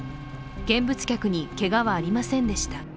見物客にけがはありませんでした。